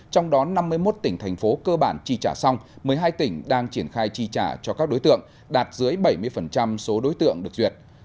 trong đó năm mươi một tỉnh thành phố cơ bản chi trả xong một mươi hai tỉnh đang triển khai chi trả cho các đối tượng đạt dưới bảy mươi số đối tượng được duyệt